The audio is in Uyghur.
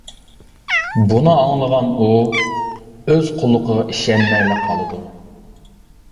بۇنى ئاڭلىغان ئۇ ئۆز قۇلىقىغا ئىشەنمەيلا قالىدۇ.